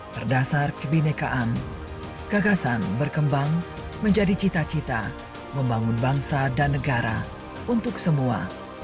berdasar kebinekaan gagasan berkembang menjadi cita cita membangun bangsa dan negara untuk semua